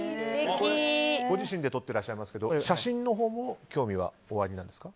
ご自身で撮っていらっしゃいますが写真のほうも興味がおありなんですか？